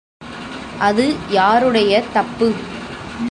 அது யாருடைய தப்பு?